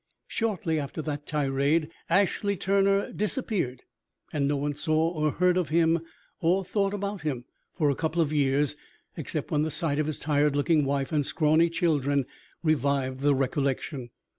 Shortly after that tirade Ashley Turner disappeared, and no one saw or heard of him or thought about him for a couple of years except when the sight of his tired looking wife and scrawny children revived the recollection.